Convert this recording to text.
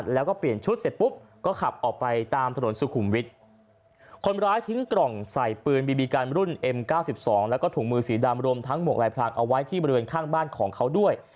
แล้วก็ถุงมือสีดำรมทั้งหมวกลายพลังเอาไว้ที่บริเวณข้างบ้านของเขาด้วย